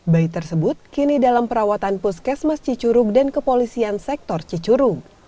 bayi tersebut kini dalam perawatan puskesmas cicurug dan kepolisian sektor cicurug